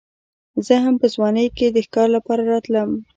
زه هم په ځوانۍ کې د ښکار لپاره راتلم.